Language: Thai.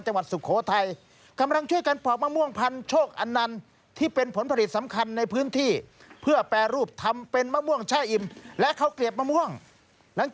ฮะข้าวเกรียบมะม่วงเหรอครับ